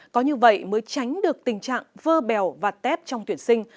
có như vậy mới tránh được tình trạng vơ bèo và tép trong tuyển sinh